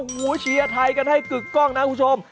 โอ้โหเชียร์ไทยกันให้กึกกล้องนะคุณผู้ชม